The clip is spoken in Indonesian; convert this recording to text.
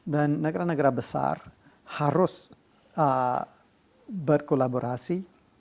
dan negara negara besar harus berkolaborasi